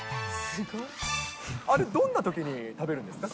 あれ、どんなときに食べるんですか。